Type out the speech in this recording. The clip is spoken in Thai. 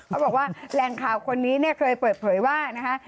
เขาบอกว่าแหล่งข่าวคนนี้เนี่ยเคยเปิดเผยว่านะคะ